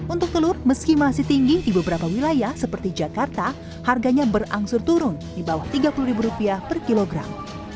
untuk telur meski masih tinggi di beberapa wilayah seperti jakarta harganya berangsur turun di bawah rp tiga puluh per kilogram